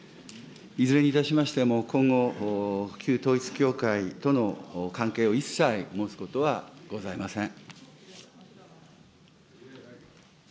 いずれにいたしましても、今後、旧統一教会との関係を一切持つことはございません。